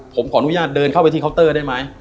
ผมขออนุญาตเดินเข้าไปที่เคาน์เตอร์ได้ไหม